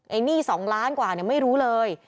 ไอ้หนี้๒ล้านกว่าเนี่ยไม่รู้เลย